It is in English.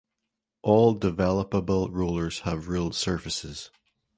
All developable rollers have ruled surfaces.